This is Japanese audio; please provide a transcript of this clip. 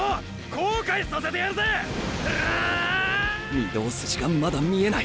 御堂筋がまだ見えない！！